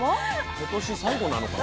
今年最後なのかな？